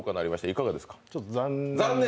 いかがですか？